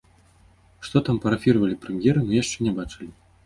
Што там парафіравалі прэм'еры, мы яшчэ не бачылі.